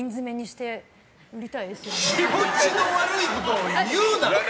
気持ちの悪いことを言うな！